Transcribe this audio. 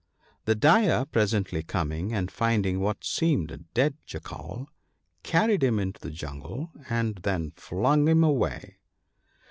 The dyer presently coming, and rinding what seemed a dead Jackal, carried him into the jungle and then flung him away.